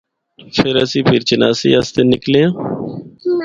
فر اسّیں پیر چناسی اسطے نِکلیاں۔